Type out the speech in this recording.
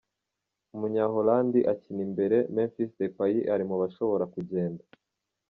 Umunya Hollandi akina imbere Memphis Depay ari mu bashobora kugenda.